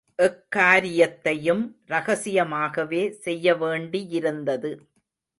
எக்காரியத்தையும் ரகசியமாகவே செய்யவேண்டியிருந்தது.